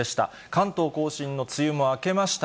関東甲信の梅雨も明けました。